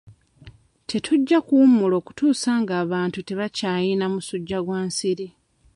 Tetujja kuwummula okutuusa ng'abantu tebakyayina musujja gwa nsiri.